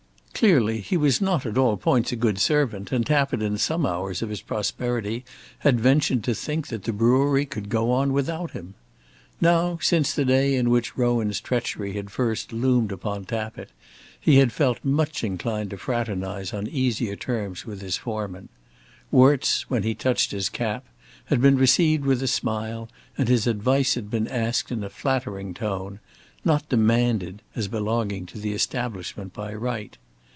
Clearly he was not at all points a good servant, and Tappitt in some hours of his prosperity had ventured to think that the brewery could go on without him. Now, since the day in which Rowan's treachery had first loomed upon Tappitt, he had felt much inclined to fraternize on easier terms with his foreman. Worts when he touched his cap had been received with a smile, and his advice had been asked in a flattering tone, not demanded as belonging to the establishment by right.